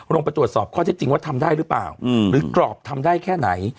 ลงไปตรวจสอบข้อเท็จจริงว่าทำได้หรือเปล่าหรือกรอบทำได้แค่ไหน